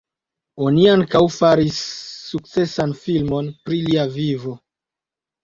Oni ankaŭ faris sukcesan filmon pri lia vivo.